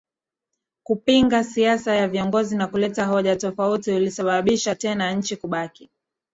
kupinga siasa ya viongozi na kuleta hoja tofauti ulisababisha tena nchi kubaki